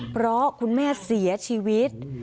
เพราะคุณแม่เสียชีวิต